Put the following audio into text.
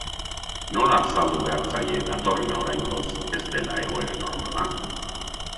Nola azaldu behar zaie datorrena oraingoz ez dela egoera normala?